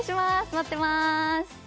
待ってます。